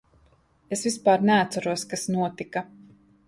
Es vispār neatceros, kas notika.